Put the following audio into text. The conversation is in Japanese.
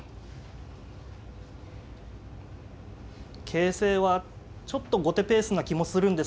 形勢はちょっと後手ペースな気もするんですが。